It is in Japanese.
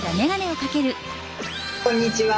こんにちは。